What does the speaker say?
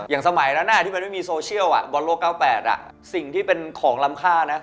สมัยนั้นที่มันไม่มีโซเชียลบอลโลก๙๘สิ่งที่เป็นของลำค่านะ